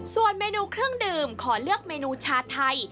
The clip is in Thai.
ส่วนเมนูเครื่องดื่มขอเลือกเมนูชาไทย